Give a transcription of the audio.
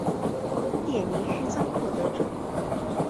列宁勋章获得者。